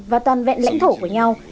và toàn vẹn lãnh thổ của nhau